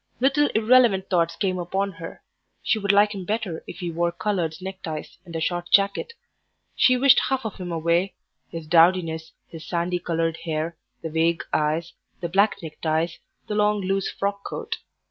Little irrelevant thoughts came upon her. She would like him better if he wore coloured neckties and a short jacket; she wished half of him away his dowdiness, his sandy coloured hair, the vague eyes, the black neckties, the long loose frock coat.